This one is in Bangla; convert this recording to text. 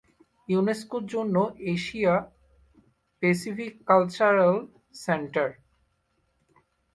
ইউনেস্কোর জন্য এশিয়া/প্যাসিফিক কালচারাল সেন্টার।